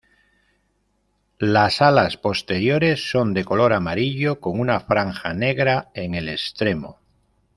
Las alas posteriores son de color amarillo con una franja negra en el extremo.